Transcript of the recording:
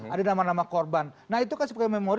ada nama nama korban nah itu kan sebagai memori